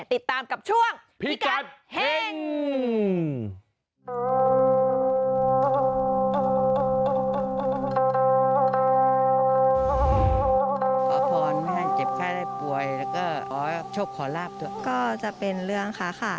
ติดตามกับช่วงพิกัดเฮ่ง